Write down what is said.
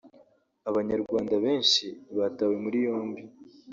Abanyarwanda benshi batawe muri yombi